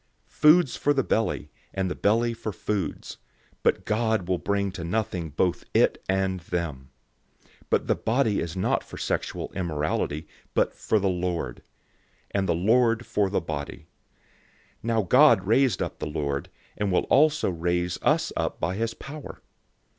006:013 "Foods for the belly, and the belly for foods," but God will bring to nothing both it and them. But the body is not for sexual immorality, but for the Lord; and the Lord for the body. 006:014 Now God raised up the Lord, and will also raise us up by his power.